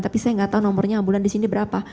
tapi saya nggak tahu nomornya ambulan di sini berapa